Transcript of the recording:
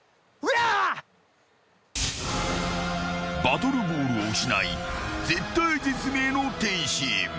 ［バトルボールを失い絶体絶命の天心］